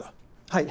はい。